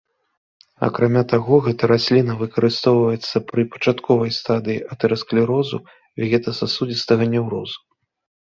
Акрамя таго, гэта расліна выкарыстоўваецца пры пачатковай стадыі атэрасклерозу, вегета-сасудзістага неўрозу.